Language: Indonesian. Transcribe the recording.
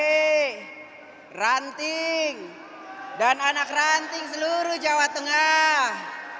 dpd dpc pac ranting dan anak ranting seluruh jawa tengah